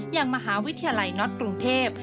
อย่างมหาวิทยาลัยน็อตกรุงเทพ